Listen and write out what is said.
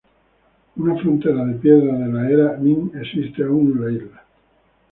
Una frontera de piedra de la era Ming existe aún en la isla.